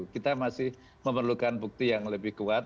kita masih memerlukan bukti yang lebih kuat